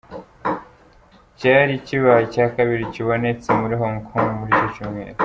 Cyari kibaye icya kabiri kibonetse muri Hong Kong muri icyo cyumweru.